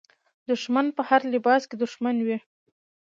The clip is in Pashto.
دښمن په هر لباس کې دښمن وي.